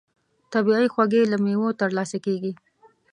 طبیعي خوږې له مېوو ترلاسه کېږي.